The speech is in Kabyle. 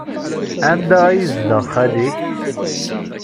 Anda ay yezdeɣ xali-k?